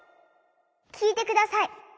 きいてください。